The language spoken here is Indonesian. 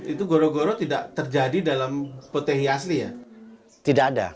itu goro goro tidak terjadi dalam potehi asli ya